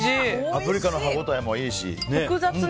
パプリカの歯応えもいいし。